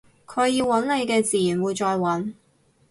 佢要搵你嘅自然會再搵